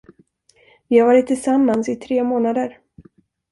Vi har varit tillsammans i tre månader.